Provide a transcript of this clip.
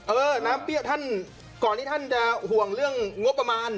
เออน้ำเปรี้ยวท่านก่อนที่ท่านจะห่วงเรื่องงบประมาณ